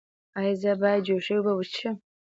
ایا زه باید جوش شوې اوبه وڅښم؟